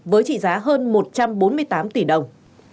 với trị giá hơn một trăm bốn mươi tám tỷ đồng